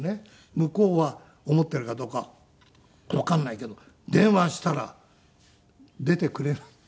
向こうは思っているかどうかわかんないけど電話したら出てくれない。